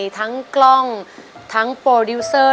ทั้งกล้องทั้งโปรดิวเซอร์